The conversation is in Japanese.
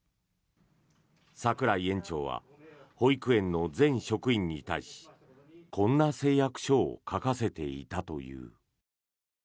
櫻井園長は保育園の全職員に対しこんな誓約書を書かせていたという。